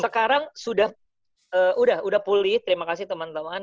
sekarang sudah pulih terima kasih temen temen